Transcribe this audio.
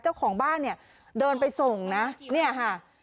เจ้าของบ้านเดินไปส่งนะนี่ค่ะ